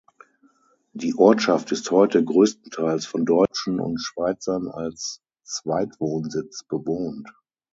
Die Ortschaft ist heute größtenteils von Deutschen und Schweizern als Zweitwohnsitz bewohnt.